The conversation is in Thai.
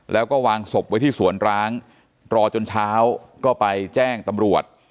แล้วก็วางศพไว้ที่สวนร้างรอจนเช้าก็ไปแจ้งตำรวจ